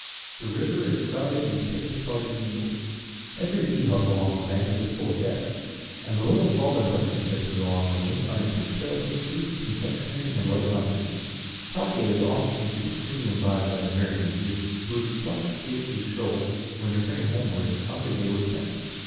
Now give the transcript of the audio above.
The river is crowded with picnic parties in boats. Every tea house along the banks is full of guests, and the little stalls and resting places on the way find a quick sale for fruit, confectionery, and light lunches. Saké is often too freely imbibed by the merrymakers, whose flushed faces show, when returning homeward, how their day was spent.